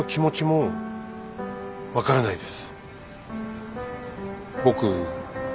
僕分からないです。